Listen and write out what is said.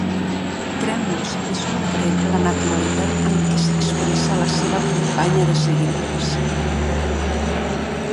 Trèmols li sorprèn la naturalitat amb què s'expressa la seva companya de seguiments.